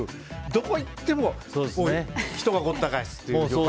どこに行っても人がごった返すという状態。